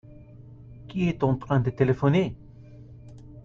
Qui est en train de téléphoner ?